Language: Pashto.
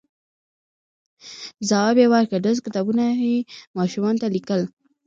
ځواب یې ورکړ، داسې کتابونه یې ماشومانو ته لیکل،